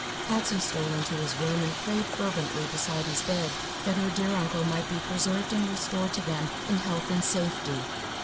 Patsy stole into his room and prayed fervently beside his bed that her dear uncle might be preserved and restored to them in health and safety.